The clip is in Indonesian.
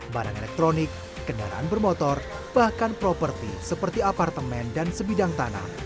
barang elektronik kendaraan bermotor bahkan properti seperti apartemen dan sebidang tanah